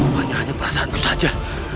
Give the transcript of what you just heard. banyaknya perasaanku saja